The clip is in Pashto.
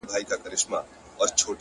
لوستل ذهن پراخوي